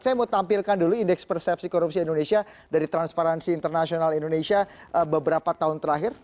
saya mau tampilkan dulu indeks persepsi korupsi indonesia dari transparansi internasional indonesia beberapa tahun terakhir